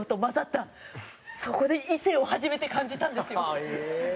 そこで異性を初めて感じたんですよ。